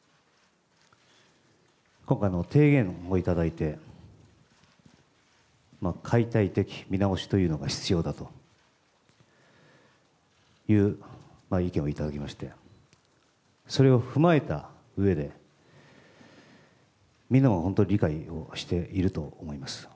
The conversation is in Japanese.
今回の提言をいただいて、解体的見直しというのが必要だという意見をいただきまして、それを踏まえたうえで、みんなも本当に理解をしていると思います。